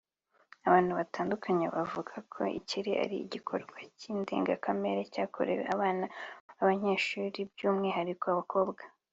abantu batandukanye bavuga ko iki ari igikorwa cy’indengakamere cyakorewe abana b’abanyeshuri by’umwihariko abakobwa